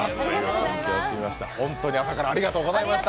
本当に朝からありがとうございました。